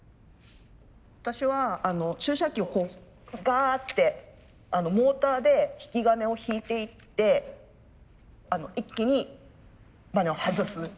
私は注射器をこうガーってモーターで引き金を引いていって一気にバネを外す。